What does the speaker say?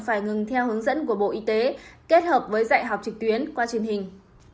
phải ngừng theo hướng dẫn của bộ y tế kết hợp với dạy học trực tuyến qua truyền hình